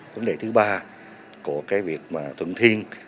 vấn đề thứ ba của việc thuận thiên